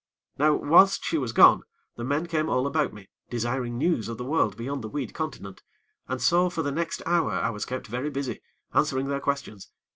Now whilst she was gone, the men came all about me, desiring news of the world beyond the weed continent, and so for the next hour I was kept very busy, answering their questions.